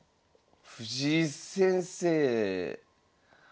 藤井先生え